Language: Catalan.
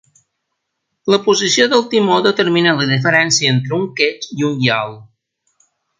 La posició del timó determina la diferència entre un quetx i un iol.